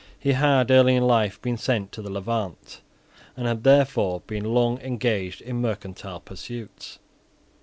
He had early in life been sent to the Levant, and had there been long engaged in mercantile pursuits.